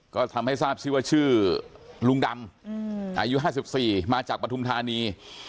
ก็ทำให้ทราบชื่อว่าชื่อลุงดำอายุ๕๔มาจากปฐุมธานี